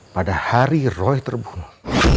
pada hari roy terbunuh